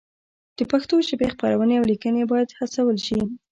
د پښتو ژبې خپرونې او لیکنې باید هڅول شي.